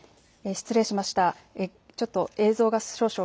失礼しました。